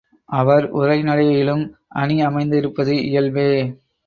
அவர் உரைநடையிலும் அணி அமைந்திருப்பது இயல்பே.